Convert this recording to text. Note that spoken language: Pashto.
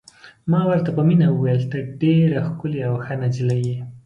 ما ورته په مینه وویل: ته ډېره ښکلې او ښه نجلۍ یې.